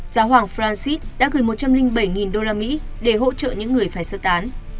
giáo hoàng francis đã gửi một trăm linh bảy usd để hỗ trợ những người phải sơ tán